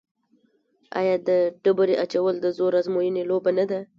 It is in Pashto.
آیا د ډبرې اچول د زور ازموینې لوبه نه ده؟